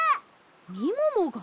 みももが？